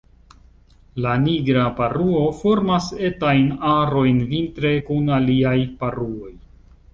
La Nigra paruo formas etajn arojn vintre kun aliaj paruoj.